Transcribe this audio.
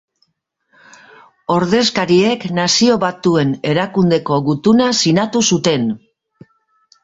Ordezkariek Nazio Batuen Erakundeko gutuna sinatu zuten.